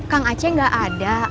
kang aceh gak ada